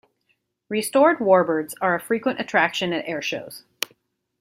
Restored warbirds are a frequent attraction at airshows.